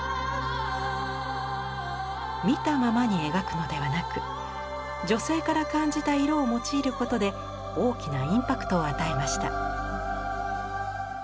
見たままに描くのではなく女性から感じた色を用いることで大きなインパクトを与えました。